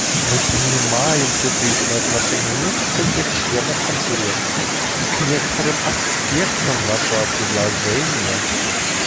Мы понимаем чувствительное отношение нескольких членов Конференции к некоторым аспектам вашего предложения.